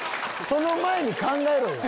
その前に考えろよ！